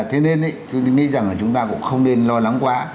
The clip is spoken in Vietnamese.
thế nên tôi nghĩ rằng là chúng ta cũng không nên lo lắng quá